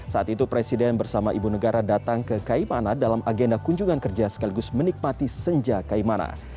saat itu presiden bersama ibu negara datang ke kaimana dalam agenda kunjungan kerja sekaligus menikmati senja kaimana